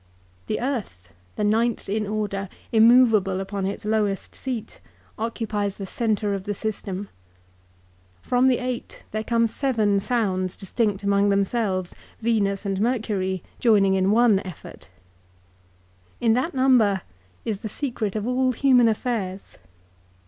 The earth, the ninth in order, immovable upon its lowest' seat, occupies the centre of the system. From the eight there come seven sounds, distinct' among themselves, Venus and Mercury join ing in one effort. In that number is the secret of all human affairs.